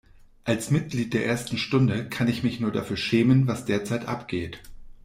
Als Mitglied der ersten Stunde kann ich mich nur dafür schämen, was derzeit abgeht.